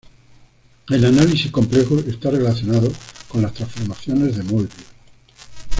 En análisis complejo está relacionado con las transformaciones de Möbius.